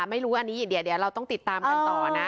ไม่รู้อันนี้เดี๋ยวเราต้องติดตามกันต่อนะ